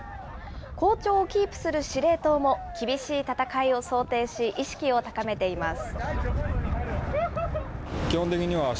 好調をキープする司令塔も厳しい戦いを想定し、意識を高めています。